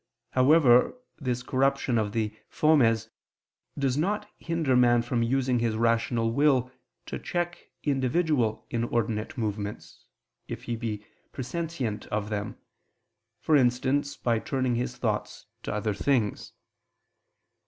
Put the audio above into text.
However, this corruption of the fomes does not hinder man from using his rational will to check individual inordinate movements, if he be presentient of them, for instance by turning his thoughts to other things.